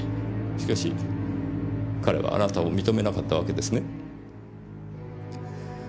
しかし彼はあなたを認めなかったわけですね？